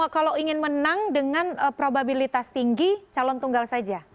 kalau ingin menang dengan probabilitas tinggi calon tunggal saja